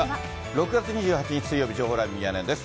６月２８日水曜日、情報ライブミヤネ屋です。